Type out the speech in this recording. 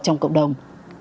trong cộng đồng